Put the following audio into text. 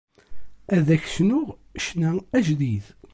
Ad ak-cnuɣ ccna ajdid.